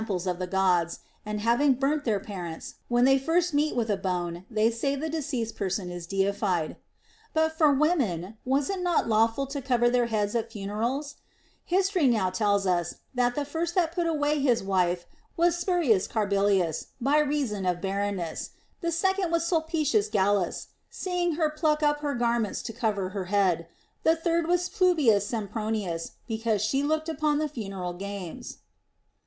pies of the Gods ; and having burnt their parents, when they first meet with a bone, they say the deceased person is deified), but for women was it not lawful to cover their heads at funerals 1 History now tells us that the first that put away his wife was Spurius Carbilius, by reason of barren ness ; the second was Sulpicius Gallus, seeing her pluck up her garments to cover her head ; the third was Publius Sempronius, because she looked upon the funeral games.